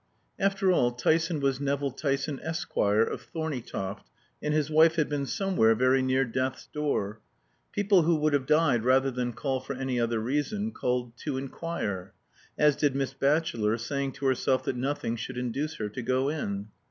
After all, Tyson was Nevill Tyson, Esquire, of Thorneytoft, and his wife had been somewhere very near death's door. People who would have died rather than call for any other reason, called "to inquire." As did Miss Batchelor, saying to herself that nothing should induce her to go in.